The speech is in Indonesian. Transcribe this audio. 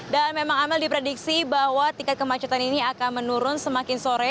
dan memang amel diprediksi bahwa tingkat kemacetan ini akan menurun semakin sore